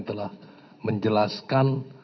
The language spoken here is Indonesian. yang telah menjelaskan